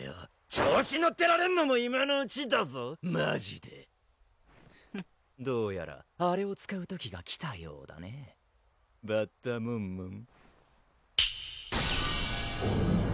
調子乗ってられんのも今のうちだぞマジでフッどうやらあれを使う時が来たようだねバッタモンモン！